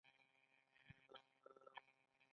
خاشرود دښتې څومره ګرمې دي؟